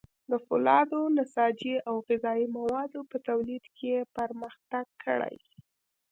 د فولادو، نساجي او غذايي موادو په تولید کې یې پرمختګ کړی.